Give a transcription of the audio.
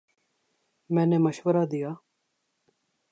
میں نے مشورہ دیا